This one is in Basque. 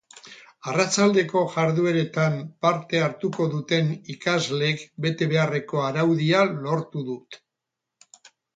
Arratsaldeko jardueretan parte hartuko duten ikasleek bete beharreko araudia lortu dut.